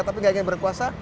tapi ga ingin berkuasa